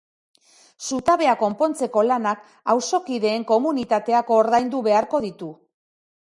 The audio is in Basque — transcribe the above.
Zutabea konpontzeko lanak auzokideen komunitateak ordaindu beharko ditu.